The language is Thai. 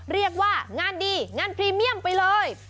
เรียกว่างานดีงานพรีเมียมไปเลย